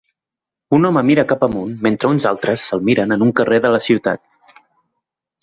Un home mira cap amunt mentre uns altres se'l miren en un carrer de la ciutat.